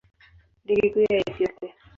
Ligi Kuu ya Ethiopia.